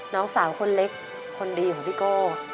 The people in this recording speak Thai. น้องสาวคนเล็กคนดีของพี่โก้